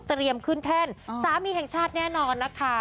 ขึ้นแท่นสามีแห่งชาติแน่นอนนะคะ